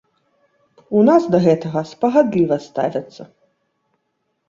У нас да гэтага спагадліва ставяцца.